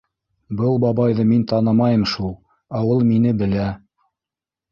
Был бабайҙы мин танымайым шул, ә ул мине белә.